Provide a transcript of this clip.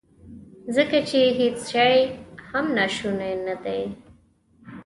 ځکه چې هیڅ شی هم ناشونی ندی.